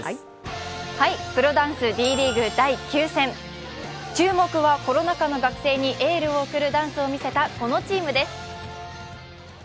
プロダンスＤリーグ第９戦、注目はコロナ禍の学生にエールを送るダンスを見せたこのチームです。